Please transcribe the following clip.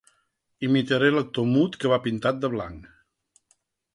Imitaré l'actor mut que va pintat de blanc.